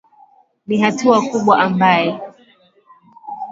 ni hatua kubwa ambae